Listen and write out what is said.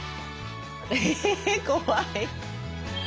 え怖い！